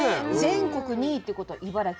全国２位ってことは茨城に次いで？